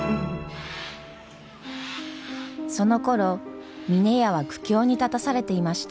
そのころ峰屋は苦境に立たされていました。